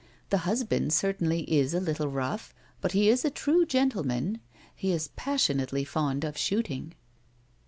" The husband cer tainly is a little rough, but he is a true gentleman. He is passionately fond of shooting."